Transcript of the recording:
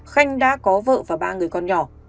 khanh đã có vợ và ba người con nhỏ